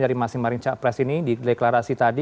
dari masing masing pres ini di deklarasi tadi